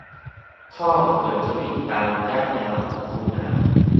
ท่อเกือบจะวิ่งตามด้านยาวของคูน้ำ